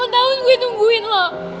delapan tahun gue nungguin lo